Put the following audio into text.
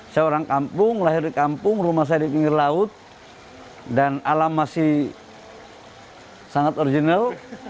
saya orang kampung lahir di kampung rumah saya di pinggir laut dan alam masih sangat original